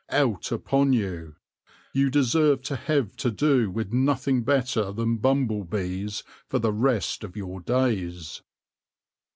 Out upon you ! You deserve to have to do with nothing better than bumble bees for the rest of your days